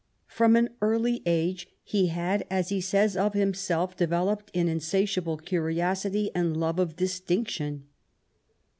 From an early age he had, as he says of himself, developed an insatiable curiosity and love of distinction.